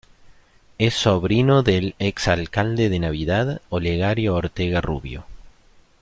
Es sobrino del exalcalde de Navidad, Olegario Ortega Rubio.